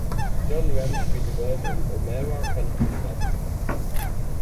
John Rahm spielte Golf im "Omaha Country Club".